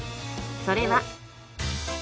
それは